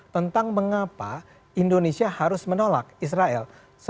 tentang mengapa indonesia harus menolak israel